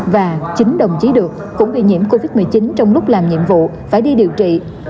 và chín đồng chí được cũng bị nhiễm covid một mươi chín trong lúc làm nhiệm vụ phải đi điều trị